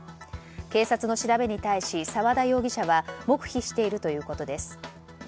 警察の調べに対し澤田容疑者は黙秘しているということです。